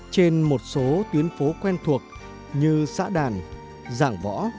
trên một số tuyến phố quen thuộc như xã đàn giảng võ